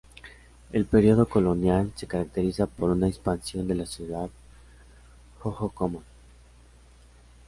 El período Colonial se caracteriza por una expansión de la sociedad hohokam.